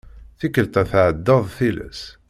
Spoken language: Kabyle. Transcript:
Tikelt-a tεeddaḍ tilas.